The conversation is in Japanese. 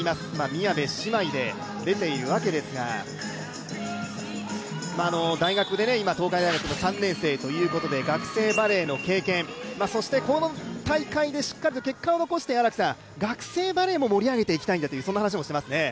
宮部、姉妹で出ているわけですが、東海大学の３年生ということで学生バレーの経験、そしてこの大会でしっかりと結果を残して学生バレーも盛り上げていきたいんだという話もしていますね。